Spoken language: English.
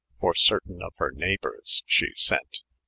For certayne of her neyghbours she sent.